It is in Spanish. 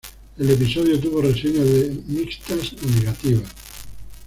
El episodio tuvo reseñas de mixtas a negativas.